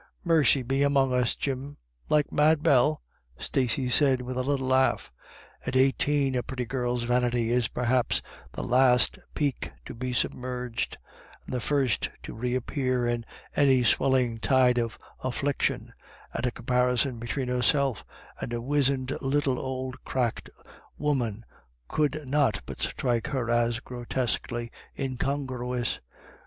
"Mercy be among us, Jim — like Mad Bell?" Stacey said, with a little laugh. At eighteen a pretty girl's vanity is perhaps the last peak to be, submerged, and the first to reappear in any swel ling tide of affliction, and a comparison between herself and the wizened little old cracked woman could not but strike her as grotesquely incongruous.